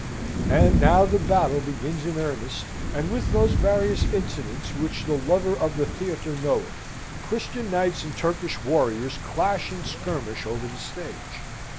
And now the battle begins in earnest, and with those various incidents which the lover of the theatre knoweth. Christian knights and Turkish warriors clash and skirmish over the stage.